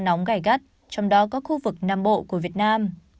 nắng nắng gai gắt trong đó có khu vực nam bộ của việt nam